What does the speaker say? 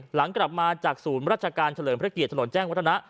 หลังกลับมาจากศูนย์ราชการเฉลิมพระเกียรติถนนแจ้งวัฒนะ